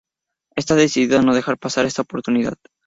Está decidido a no dejar pasar esta oportunidad.